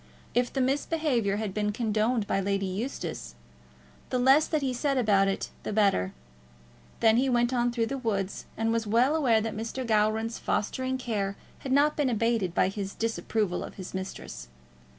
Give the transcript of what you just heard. If the misbehaviour had been condoned by Lady Eustace, the less that he said about it the better. Then he went on through the woods, and was well aware that Mr. Gowran's fostering care had not been abated by his disapproval of his mistress.